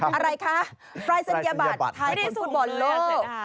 อะไรคะปรายศนียบัตรไทยฟุตบอลโลก